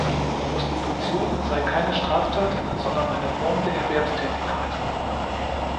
Prostitution sei keine Straftat, sondern eine Form der Erwerbstätigkeit.